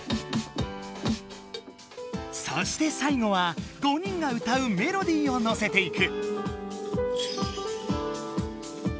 そしてさいごは５人が歌うメロディーをのせていく。